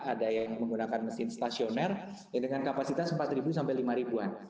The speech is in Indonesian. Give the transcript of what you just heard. ada yang menggunakan mesin stasioner dengan kapasitas empat sampai lima an